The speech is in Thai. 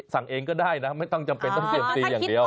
สั่งเองก็ได้นะไม่ต้องจำเป็นต้องเซียมซีอย่างเดียว